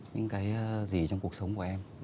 những cái gì trong cuộc sống của em